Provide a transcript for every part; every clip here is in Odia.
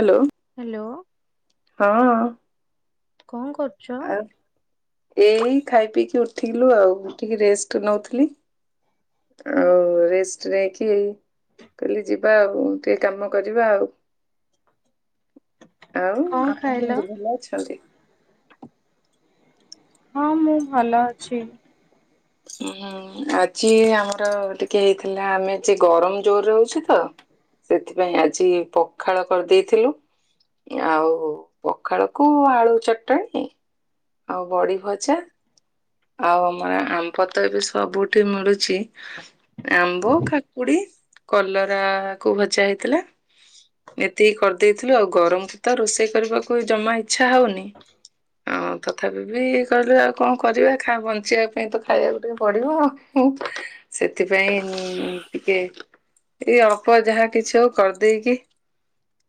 ହାଲୋ। ହାଲୋ। ହଁ ଅ। କଣ କରୁ ଆଉ, ଏଇ ଖାଇ ପିଇକି ଉଠିଲୁ ଆଉ, ଉଠିକି ରେଷ୍ଟ ନଉଥିଲି। ଆଉ-ଉ-ଉ ରେଷ୍ଟ୍ ନେଇକି କାଲି ଯିବା ଆଉ, ଟିକେ କାମ କରିବା ଆଉ। [inaudible] ଆଉ କଣ ଆପଣ ଖାଇଲ? କେମିତି ଭଲ ଅଛନ୍ତି? ହଁ ମୁଁ ଭଲ ଅଛି। ହୁଁ-ହୁଁ ଆଜି ଆମର ଟିକେ ହେଇଥିଲା ଆମେ ଆଜି ଗରମ ଜୋରରେ ହଉଚି ତ। ସେଥିପାଇଁ ଆଜି ପଖାଳ କରିଦେଇଥିଲୁ। ଆଉ ପଖାଳକୁ ଆଳୁ ଚଟଣି। ଆଉ ବଡ଼ି ଭଜା। ଆଉ ଆମେ ଆମ୍ବ ତ ଏବେ ସବୁଠି ମିଳୁଛି। ଆମ୍ବ, କାକୁଡି, କଲରାକୁ ଭଜା ହେଇଥିଲା। ଏତିକି କରିଦେଇଥିଲୁ ଆଉ, ଗରମକୁ ତ ରୋଷେଇ କରିବାକୁ ଜମା ଇଚ୍ଛା ହଉନି। ଆଉ ତଥାପି ବି କହିଲୁ ଆଉ କଣ କରିବା? ଖା ବଞ୍ଚିଆ ପାଇଁ ତ ଖାଇବାକୁ ଟିକେ ପଡିବ ହୁଁ। ସେଥିପାଇଁ ମୁଁ ଟିକେ ଏଇ ଅଳ୍ପ ଯାହା କିଛି ହଉ କରିଦେଇକି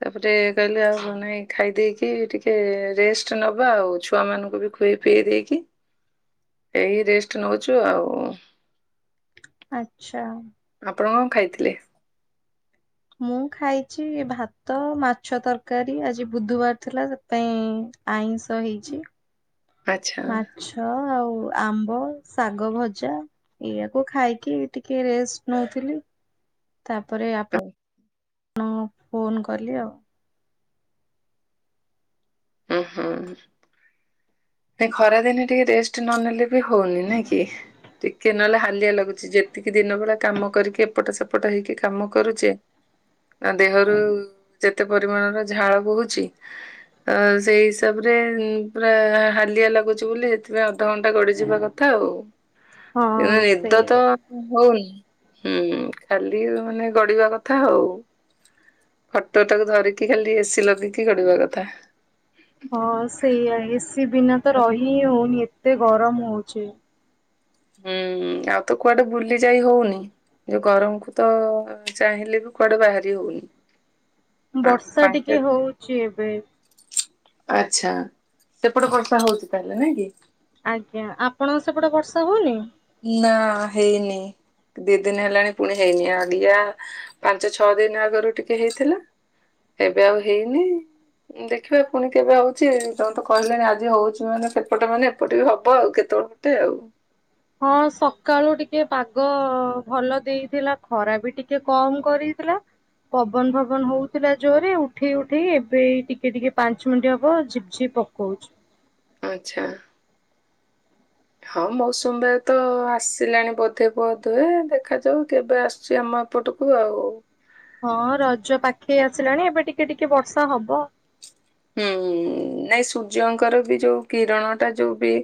ତାପରେ କହିଲେ ଆଉ ନାଇଁ ଖାଇ ଦେଇକି ଟିକେ ରେଷ୍ଟ୍ ନବା ଆଉ ଛୁଆମାନଙ୍କୁ ବି ଖୋଇପେଇ ଦେଇକି ଏଇ ରେଷ୍ଟ୍ ନଉଚୁ ଆଉ ଆଚ୍ଛା। ଆପଣ କଣ ଖାଇଥିଲେ? ମୁଁ ଖାଇଛି ଭାତ, ମାଛ ତରକାରୀ ଆଜି ବୁଧବାର ଥିଲା ତ। ପାଇଁ ଆଇଁଷ ହେଇଛି। ଆଚ୍ଛା ମାଛ ଆଉ ଆମ୍ବ, ଶାଗ ଭଜା। ଏଇଆକୁ ଖାଇକି ଟିକେ ରେଷ୍ଟ୍ ନଉଥିଲି। ତାପରେ ଆପଣ, ଉଁ ଣ ଫୋନ କଲି ଆଉ। ଓହୋଃ, ଏ ଖରାଦିନେ ଟିକେ ରେଷ୍ଟ୍ ଷ୍ଟ୍ ନ ନେଲେ ବି ହଉନି ନାଇଁ କି ଠିକ୍। କି ନହେଲେ ହାଲିଆ ଲାଗୁଚି, ଯେତିକି ଦିନବେଳା କାମ କରିକି ଏପଟ ସେପଟ ହେଇକି କାମ କରୁଚେ ଆ ଦେହରୁ-ଉ-ଉ ଯେତେ ପରିମାଣର ଝାଳ ବୋହୁଚି। ଆ ସେଇ ହିସାବରେ ପୁରା ହାଲିଆ ଲାଗୁଚି ବୋଲି ସେଥିପାଇଁ ଅଧଘଣ୍ଟା ଗଡିଯିବା କଥା ଆଉ। ହଁ ନିଦ ତ ସେଇଆ। ହଉନି, ହୁଁ ଖାଲି ମାନେ ଗଡିବା କଥା ଆଉ। ଖଟଟାକୁ ଧରିକି ଖାଲି ଏସି ଲଗେଇକି ଗଡିବା କଥା। ହଁ ସେଇଆା, ଏସି ବିନା ତ ରହି ହିଁ ହଉନି ଏତେ ଗରମ ହଉଚି। ହୁଁ-ଉଁ-ଉଁ, ଆଉ ତ କୁଆଡେ ବୁଲି ଯାଇ ହଉନି। ଯୋଉ ଗରମକୁ ତ ଚାହିଁଲେ ବି କୁଆଡେ ବାହାରି ହଉନି। ଆଉ ବର୍ଷା ପାଞ୍ଚ ଟିକେ ହଉଚି ଏବେ। ଆଚ୍ଛା। ସେପଟେ ବର୍ଷା ହଉଚି ତାହେଲେ ନାଇଁ କି? ଆଜ୍ଞା। ଆପଣଙ୍କ ସେପଟେ ବର୍ଷା ହଉନି? ନାଁଆ ହେଇନି। ଦି ଦିନ ହେଲାଣି ପୁଣି ହେଇନି ଆଡିଆ ପାଞ୍ଚ ଛଅ ଦିନ ଆଗରୁ ଟିକେ ହେଇଥିଲା। ଏବେ ଆଉ ହେଇନି। ଦେଖିବା ପୁଣି କେବେ ହଉଛି ତମେ ତ କହିଲଣି ଆଜି ହଉଛି ମାନେ ସେପଟେ ମାନେ ଏପଟେ ବି ହବ ଆଉ କେତେବେଳେ। ଏମିତି ଆଉ। ହଁ ସକାଳୁ ଟିକେ ପାଗ ଭଲ ଦେଇଥିଲା ଖରା ବି ଟିକେ କମ କରିଥିଲା। ପବନ ଫବନ ହଉଥିଲା ଜୋର ରେ ଉଠେଇ ଉଠେଇ ଏବେ ଏଇ ଟିକେ ଟିକେ ପାଞ୍ଚ ମିନିଟ୍ ହବ ଝିପ୍ ଝିପ୍। ପକଉଛି। ଓଃ ଆଚ୍ଛା। ହୁଁ। ହଁ ମୌସୁମୀ ବାୟୁ ତ ଆସିଲାଣି ବୋଧେ ବୋଧୁଏ ଦେଖାଯାଉ କେବେ ଆସୁଛି ଆମ। ଏପଟୁକୁ ଆଉ। ହଁ ରଜ ପାଖେଇ ଆସିଲାଣି ଏବେ ଟିକେ ଟିକେ ବର୍ଷା ହବ। ହୁଁ ନାଇଁ ସୂର୍ଯ୍ୟଙ୍କର ବି ଯୋଉ କିରଣ ଟା ଯୋଉ ବି।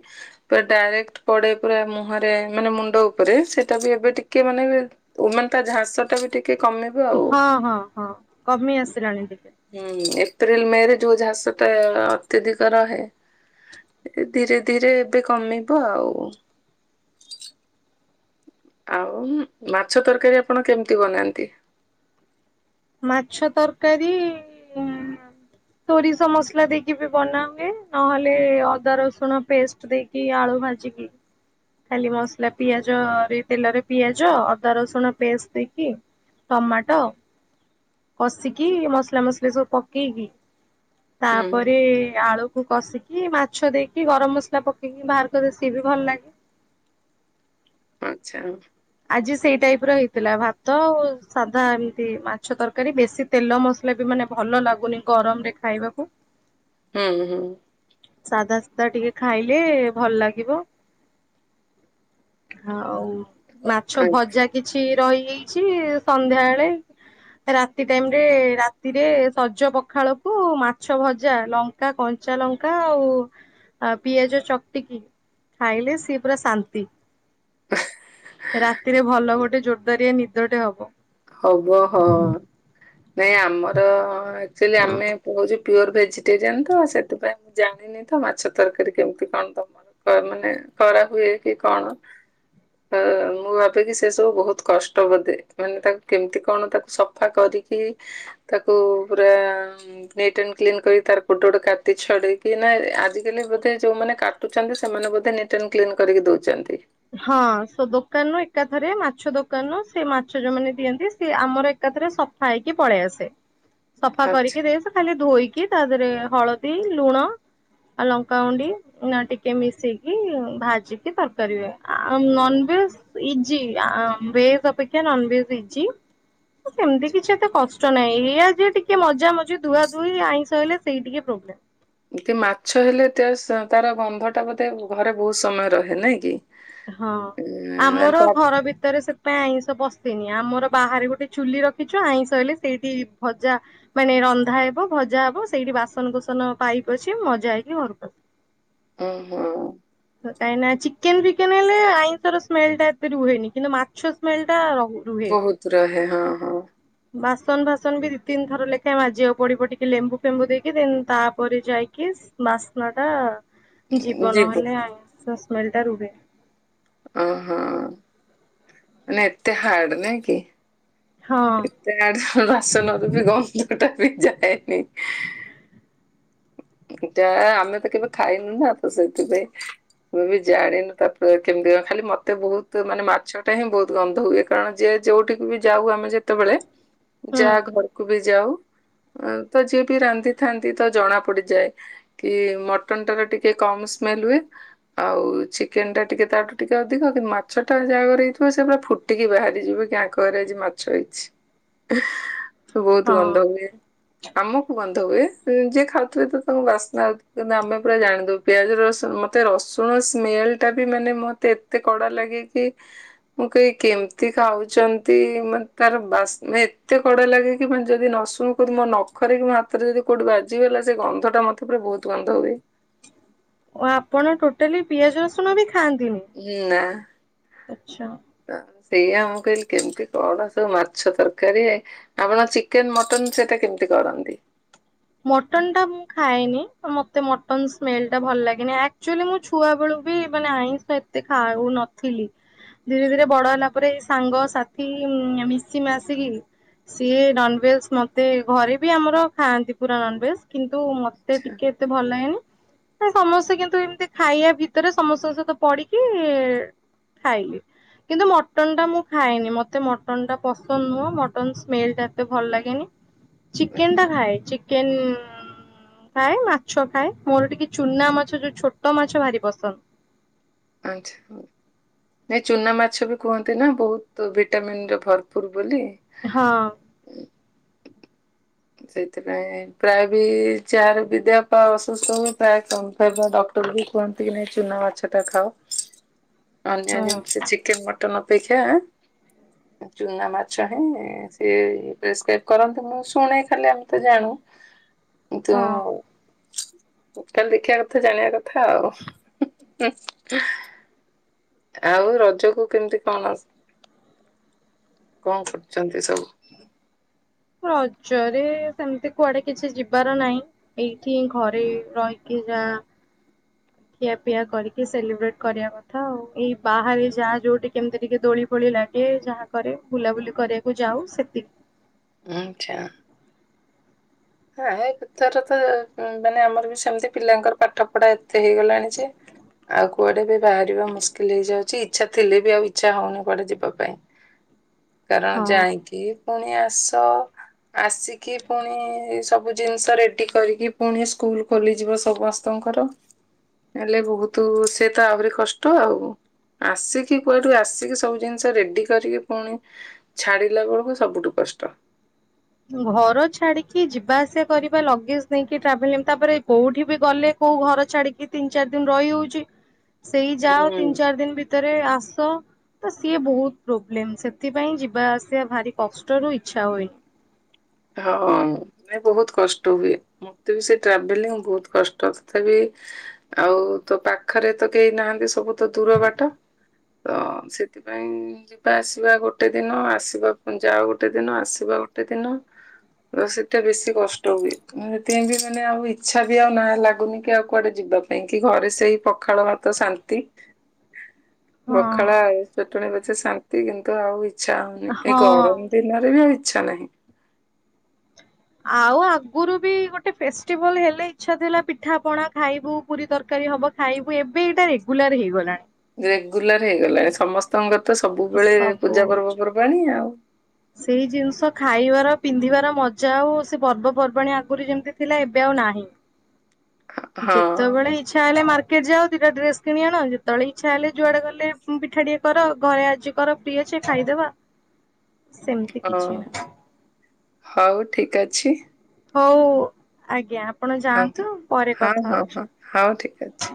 ପୁରା ଡାଇରେକ୍ଟ ପଡେ ପୁରା ମୁହଁରେ ମାନେ ମୁଣ୍ଡ ଉପରେ ସେଇଟା ବି ଏବେ ଟିକେ ମାନେ‌ ବି। ଉ ମାନେ ତା ଝାସ ଟା ବି ଟିକ୍ ଟିକେ କମିବ। ଆଉ। ହଁ ହଁ ହଁ କମି ଆସିଲାଣି ଟିକେ। ହୁଁ ଏପ୍ରିଲ ମେ ରେ ଯୋଉ ଝାସ ଟା ଅତ୍ୟଧିକ ରହେ। ଏ ଧୀରେ ଧୀରେ ଏବେ କମିବ ଆଉ। ଆଉ ମ୍ ମାଛ ତରକାରୀ ଆପଣ କେମିତି ବନାନ୍ତି। ମାଛ ତରକାରୀ‌ ଆଁ। ସୋରିଷ ମସଲା ଦେଇକି ବି ବନା ହୁଏ ନହେଲେ ଅଦା ରସୁଣ ପେଷ୍ଟ ଦେଇକି। କି ଆଳୁ ଭାଜିକି। ଖାଲି ମସଲା ପିଆଜ ରେ ତେଲରେ ପିଆଜ ଅଦା ରସୁଣ ପେଷ୍ଟ ଦେଇକି। ଟମାଟୋ କଷିକି ମସଲା ମସଲି ସବୁ ପକେଇକି। ହୁଁ ତାପରେ ଆଳୁକୁ କଷିକି। କି ମାଛ ଦେଇକି ଗରମ ମସଲା ପକେଇକି ବାହାର କରେ ସିଏ ବି ଭଲ ଲାଗେ। ଆଚ୍ଛା। ଆଜି ସେଇ ଟାଇପ ର ହେଇଥିଲା ଭାତ ଆଉ ସାଧା ଏମିତି ମାଛ ତରକାରୀ ବେଶୀ। ତେଲ ମସଲା ବି ମାନେ ଭଲ ଲାଗୁନି ଗରମ ରେ ଖାଇବାକୁ। ହୁଁ ହୁଁ। ସାଧା ସିଧା ଟିକେ ଖାଇଲେ ଭଲ ଲାଗିବ। ଆଉ ମାଛ ଭଜା। କିଛି ରହିଯାଇଛି ସନ୍ଧ୍ୟା ବେଳେ। ରାତି ଟାଇମ ରେ ରାତିରେ ସଜ ପଖାଳକୁ ମାଛ ଭଜା ଲଙ୍କା କଞ୍ଚା ଲଙ୍କ୍ ଙ୍କା ଆଉ ପିଆଜ ଚକଟିକି। ଖାଇଲେ ସିଏ ପୁରା ଶାନ୍ତି। ରାତିରେ ଭଲ ଗୋଟେ ଜୋର ଦାରିଆ ନିଦଟେ ହବ। ହବ ହଁ ନାଇଁ ଆମର ଆକ୍ଟୁଆଲି ଆମେ। ମୁଁ ହଉଛି ପିଓର ଭେଜିଟେରିଆନ ତ ସେଥିପାଇଁ ମୁଁ ଜାଣିନି ତ ମାଛ ତରକାରୀ କେମିତି କଁ ତମ। ମାନେ କରାହୁଏ କି କଣ। ହଁ ମୁଁ ଭାବେକି ସେ ସବୁ ବହୁତ କଷ୍ଟ ବୋଧେ ମାନେ ତାକୁ। କେମିତି କଣ ତାକୁ ସଫା କରିକି ତାକୁ ପୁରା। ନିଟ୍ ଆଣ୍ଡ କ୍ଲିନ କରି ତାର ଗୋଟେ ଗୋଟେ କାତି ଛଡେଇକି ନାଇ ଆଜିକାଲି ବୋଧେ ଯୋଉ ମାନେ କାଟ୍ କାଟୁଛନ୍ତି ସେମାନେ ବୋଧେ ନିଟ୍ ଆଣ୍ଡ କ୍ଲିନ କରିକି ଦଉଛନ୍ତି। ହଁ ସେ ଦୋକାନରୁ ଏକାଥରେ ମାଛ ଦୋକାନରୁ ସେ ମାଛ ଯୋଉମାନେ ଦିଅନ୍ତି ସିଏ ଆମର ଏ। ଏକାଥରେ ସଫା ହେଇକି ପଳେଇ ଆସେ ସଫା ଆଚ୍ଛା। କରିକି ଦିଏ ସେ ଖାଲି ଧୋଇକି। କି ତା ଦେହରେ ହଳଦୀ ଲୁଣ। ଆଉ ଲଙ୍କାଗୁଣ୍ଡି ନା ଟିକେ ମିଶେଇିକି ଭାଜିକି ତରକାରି ରେ। ଆ ନନଭେଜ୍ ଇଜି ଆଉଁ ଭେଜ୍ ଅପେକ୍ଷା ନନଭେଜ୍ ଇଜି। ସେମିତି କିଛି ଏତେ କ ଷ୍ଟ ନାଇଁ ଏଇଆ ଯେ ଟିକେ ମଜା ମଜି ଧୁଆ ଧୁଇ ଆଇଁଷ ହେଲେ ସେଇ ଟିକେ ପ୍ରୋବ୍ଲେମ୍। [unintelligible] ମାଛ ହେଲେ ଏତେ ସା ତାର ଗନ୍ଧଟା ବୋଧେ ଘରେ ବୋହୁତ ସମୟ ରହେ ନାଇଁ କି। ହଁ ଉଁ, ମାନେ ଆମର ତା ଘର ଭିତରେ ସେ ଥିପାଇଁ ଆଇଁଷ ବସେନି। ଆମର ବାହାରେ ଗୋଟେ ଚୁଲି ରଖିଚ ଆଇଁଷ ହେଲେ ସେଇଠି ଭଜା ମାନେ ରନ୍ଧା ହେବ ଭଜା ହବ ସେଇଠି ବାସନକୁସନ ପାଇପ୍ ପସିବ ମଜା ହେଇକି ଘରକୁ ଆସିବ। ଉଁ ହୁଁ। କାହିଁକି ନା ଚିକେନ ଫିକେନ ହେଲେ ଆଇଁଷର ସ୍ମେଲ ଟା ଏତେ ରୁହେନି କିନ୍ତୁ ମାଛ ସ୍ମେଲଟା ରହେ। ବୋହୁତ ରହେ ହଁ ହଁ। ବାସନ ଫାସନ ବି ଦି ତିନି ଥର ଲେଖାଏଁ ମାଜିିବାକୁ ପଡିବ ଟିକେ ଲେମ୍ବୁ ଫେମ୍ବୁ ଦେଇକି ଦେନ୍ ତାପରେ ଯାଇକି ବାସ୍ନା ଟା ଜିବ ଯିବୁ ନହେଲେ ଆଇଁଷ ସ୍ମେଲ ଟା ରୁହେ। ଓ ହଁ। ମାନେ ଏତେ ହାର୍ଡ ନାଁ କି। ହଁ। ସେ [unintelligible] ବାସନରୁ ବି ଗନ୍ଧଟା ବି ଯାଏନି। ଏଟା ଆମେ ତ କେବେ ଖାଇନୁ ନା ତ ସେଇଥିପାଇଁ ମୁଁ ବି ଜାଣିନୁ ତାପରେ କେମିତି କ ଖାଲି ମତେ ବୋହୁତ ମାନେ ମାଛଟା ହିଁ ବୋହୁତ ଗନ୍ଧ ହୁଏ। ହଁ ଯିଏ ଯୋଉଠିକୁ ବି ଯାଉ ଆମେ ଯେତେବେଳେ ହୁଁ ଯା ଘରକୁ ବି ଯାଉ ଉଁ ତ ଯିଏ ବି ରାନ୍ଧିଥାନ୍ତି ତ ଜଣା ପଡି ଯାଏ କି ମଟନ ଟାର ଟିକେ କମ୍ ସ୍ମେଲ ହୁଏ। ଆଉ ଚିକେନ ଟା ଟିକେ ତାଠୁ ଟିକେ ଅଧିକ କିନ୍ତୁ ମାଛ ଟା ଯାହାଘରେ ହେଇଥିବ ସିଏ ପୁରା ଫୁ ଟିକି ବାହାରି ଯିବ କି ଆଙ୍କଘରେ ଆଜି ମାଛ ହେଇଚି। ବୋହୁତ ହଁ। ଗନ୍ଧ ହୁଏ। ଆମକୁ ଗନ୍ଧ ହୁଏ ଯିଏ ଖାଉ ଥିବ ତାଙ୍କୁ ବାସ୍ନା କିନ୍ତୁ ଆମେ ପୁରା ଜାଣିଦୋବୁ ପିଆଜ ରସୁଣ ମୋତେ ରସୁଣ ସ୍ମେଲ ଟା ବି ମାନେ ମ ତେ ଏତେ କଡା ଲାଗେ କି ମୁଁ କହିବି କେମିତି ଖାଉଚନ୍ତି ମତେ ତାର ବାସ୍ନା ଏତେ କଡା ଲାଗେ କି ମାନେ ଯଦି ର ସୁଣକୁ ଯଦି ମୋ ନଖରେ କି ମୋ ହାତରେ ଯଦି କୋଉଠି ବାଜିଗଲା ସେ ଗନ୍ଧଟା ମତେ ପୁରା ବୋହୁତ ଗନ୍ଧ ହୁଏ। ଓ ଆପଣ ଟୋଟାଲି ପିଆଜ ରସୁଣ ବି ଖାଆନ୍ତିନି। ଉଁ ନାଁ। ଆଚ୍ଛା। ତ ସେଇଆ ମୁଁ କହିଲି କେମିତି କଣ ସବୁ ମାଛ ତରକାରୀ। ଆପଣ ଚିକେନ ମଟନ ସେଇଟା କେମିତି କରନ୍ତି? ମଟନ ଟା ମୁଁ ଖାଏନି। ମତେ ମଟନ ସ୍ମେଲଟା ଭଲ ଲାଗେନି। ଆକଚୁଏଲ ମୁଁ ଛୁ ଆ ବେଳୁ ବି ମାନେ ଆଇଁଷ ଏତେ ଖାଉ ନଥିଲି। ଧୀରେ ଧୀରେ ବଡ ହେଲା ପରେ ଏଇ ସାଙ୍ଗ ସାଥି ମିସି ମାସିକି ସିଏ ନନଭେଜ୍ ମତେ ଘରେ ବି ଆମର ଖାଆନ୍ତି। ପୁରା ନନଭେଜ୍ କିନ୍ତୁ ମତେ ଆଛା ଟିକେ ଏତେ ଭଲ ଲାଗେନି। ସମସ୍ତେ କିନ୍ତୁ ଏମିତି ଖାଇବା ଭିତରେ ସମସ୍ତଙ୍କ ସହିତ ପଡିକି ଖାଇଲି। କିନ୍ତୁ ମଟନ ଟା ମୁଁ ଖାଏନି। ମତେ ମଟନ ଟା ପସନ୍ଦ ନୁହଁ ମଟନ ସ୍ମେଲଟା ଏତେ ଭଲ ଲାଗେନି। ଚିକେନ ଟା ଆଛା ଖାଏ। ଚିକେନ ଖାଏ ମାଛ ଖାଏ ମୋର ଟିକେ ଚୁନା ମାଛ ଯୋଉ ଛୋଟ ମାଛ ଭାରି ପସନ୍ଦ। ଆଚ୍ଛା ହୋଉ। ନାଇଁ ଚୁନା ମାଛ ବି କୁହନ୍ତି ନା ବୋହୁତ ଭିଟାମିନରେ ଭରପୁର ବୋଲି। ହଁ। ସେଇଥିପାଇଁ ପ୍ରାୟ ବି ଚାର ବିଦ୍ୟା ପା ଅସୁସ୍ଥ ହୁଏ ପ୍ରାୟ କମ ଖାଇବା ଡକ୍ଟର୍ ବି କୁହନ୍ତି ଏ ନାଇଁ ଚୁନା ମାଛ ଟା ଖାଅ। ହଁ [unintelligible] ଅନ୍ୟ ଜିନିଷ ଚିକେନ୍ ମଟନ୍ ଅପେକ୍ଷା ଏ ଚୁନା ମାଛ ହେନେ ସେ ପ୍ରେସକ୍ରାଇବ୍ କରନ୍ତି ମୁଁ ଶୁଣେ ଖାଲି ଆମେ ତ ଜାଣୁ [unintelligible] ତ ଟୋଟାଲ ଦେଖିବା କଥା ଜାଣିବା କଥା ଆଉ। ଆଉ ରଜକୁ କେମିତି କଣ, କଣ କରୁଛନ୍ତି ସବୁ? ରଜରେ ସେମିତି କୁଆଡେ କିଛି ଯିବାର ନାହିଁ। ଏଇଠି ଘରେ ରହିକି ଯା ଖିଆ ପିଆ କରିକି ସେଲିବ୍ରେଟ୍ କରିବା କଥା ଆଉ, ଏଇ ବାହାରେ ଯାହା ଯୋଉଠି କେମିତି ଟିକେ ଦୋଳି ଫୁଳି ଲାଗେ ଯାହା କରେ ବୁଲାବୁଲି କରିବାକୁ ଯାଉ ସେତିକି। ଆଚ୍ଛା। ହଁ ଏ ଭିତର ତ ଅଁ, ମାନେ ଆମର ବି ସେମିତି ପିଲାଙ୍କର ପାଠ ପଢା ଏତେ ହେଇଗଲାଣି ଯେ ଆଉ କୁଆଡେ ବି ବାହାରିବା ମୁସ୍କିଲ ହେଇଯାଉଛି, ଇଚ୍ଛା ଥିଲେ ବି ଆଉ ଇଚ୍ଛା ହଉନି କୁଆଡେ ଯିବା ପାଇଁ। ହ କାରଣ ଯାଇକି ପୁଣି ଆସ, ଆସିକି ପୁଣି ଏଇ ସବୁ ଜିନିଷ ରେଡି କରିକି ପୁଣି ସ୍କୁଲ୍ ଖୋଲିଯିବ ସମସ୍ତଙ୍କର। ହେଲେ ବହୁତୁ ସେ ତ ଆହୁରି କଷ୍ଟ ଆଉ। ଆସିକି କୁଆଡୁ, ଆସିକି ସବୁ ଜିନିଷ ରେଡି କରିକି ପୁଣି ଛାଡିଲା ବେଳକୁ ସବୁଠୁ କଷ୍ଟ। ଘର ଛାଡିକି ଯିବା ଆସିବା କରିବା ଲଗେଜ୍ ନେଇକି ଟ୍ରାଭେଲିଂ, ତାପରେ କୋଉଠି ବି ଗଲେ କୋଉ ଘର ଛାଡିକି ତିନ ଚାର ଦିନ ରହିହଉଛି, ସେଇ ଯାଅ ହୁଁ। ତିନ ଚାର ଦିନ ଭି ତରେ ଆସ। ତ ସିଏ ବହୁତ ପ୍ରୋବ୍ଲେମ୍ ସେଥିପାଇଁ ଯିବା ଆସିବା ଭାରି କଷ୍ଟରୁ ଇଚ୍ଛା ହୁଏନି। ହଁ ନେ ବହୁତ କଷ୍ଟ ହୁଏ। ମୋତେ ବି ସେ ଟ୍ରାଭେଲିଂ ବହୁତ କଷ୍ଟ, ତଥାବି ଆଉ ତୋ ପାଖରେ ତ କେହି ନାହାନ୍ତି ସବୁ ତ ଦୂର ବାଟ। ତ ସେଥିପାଇଁ ଯିବା ଆସିବା ଗୋଟେ ଦିନ, ଆସିବା ପୁଣି ଯାଅ ଗୋଟେ ଦିନ ଆସିବା ଗୋଟେ ଦିନ। ତ ସେଟା ବେଶୀ କଷ୍ଟ ହୁଏ, ମୁଁ ସେଥିପାଇଁ ବି ମାନେ ଆଉ ଇଚ୍ଛା ବି ଆଉ ନା ଲାଗୁନି କି ଆଉ କୁଆଡେ ଯିବା କାହିଁକି ଘରେ ସେଇ ପଖାଳ ଭାତ ଶାନ୍ତି। [inaudible] ପଖାଳ ଆଳୁ ଚଟଣୀ ପଛେ ଶାନ୍ତି କିନ୍ତୁ ଆଉ ଇଚ୍ଛା ହଉନି ଏ ହଁ। ଗରମ ଦିନରେ ବି ଆଉ ଇଚ୍ଛା ନାହିଁ। ଆଉ ଆଗରୁ ବି ଗୋଟେ ଫେଷ୍ଟିଭାଲ୍ ହେଲେ ଇଛା ଥିଲା ପିଠା ପଣା ଖାଇବୁ ପୁରୀ ତରକାରୀ ହବ ଖାଇବୁ ଏବେ ଏଇଟା ରେଗୁଲାର୍ ହେଇଗଲାଣି। ରେଗୁଲାର୍ ହେଇଗଲା ଏ ସମସ୍ତଙ୍କର ତ ସବୁବେଳେ ସବୁ ପୂଜା ପର୍ବ ପର୍ବାଣୀ ଆଉ। ସେଇ ଜିନିଷ ଖାଇବାର ପିନ୍ଧିବାର ମଜା ଆଉ ସେ ପର୍ବପର୍ବାଣୀ ଆଗରୁ ଯେମିତି ଥିଲା ଏବେ ଆଉ ନାହିଁ। ହଁ ଯେତେବେଳେ ଇ ଚ୍ଛା ହେଲେ ମାର୍କେଟ୍ ଯାଅ ଦିଇଟା ଡ୍ରେସ୍ କିଣି ଆଣ, ଯେତଳେ ଇଚ୍ଛା ହେଲେ ଯୁଆଡେ ଗଲେ ଉଁ, ପିଠା ଟିକେ କର ଘରେ ଆଜି କର ପି ଅଛେ ଖାଇଦବା। ସେମିତି ହଁ କିଛି ନାହିଁ ହଉ ଠିକ ଅଛି। ହଉ ଆଜ୍ଞା ଆପଣ ହଁ ଯାଆନ୍ତୁ ପରେ ହଁ କଥା ହଁ ହଉଛୁ। ହଁ ହଉ ଠିକ୍ ଅଛି।